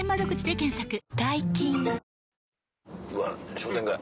商店街。